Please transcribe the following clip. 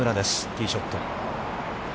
ティーショット。